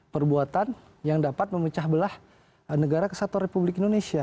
perbuatan yang dapat memecah belah negara kesatuan republik indonesia